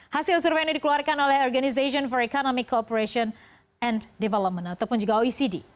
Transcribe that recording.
hasil survei ini dikeluarkan oleh organization for economic cooperation and development ataupun juga oecd